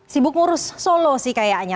sibuk ngurus solo sih kayaknya